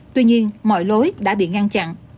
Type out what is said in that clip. tuy nhiên mọi lối đã bị ngăn chặn